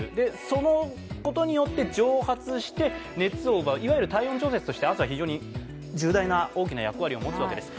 そのことによって蒸発して熱を奪ういわゆる体温調節として汗は重大な、大きな役割を持つわけです。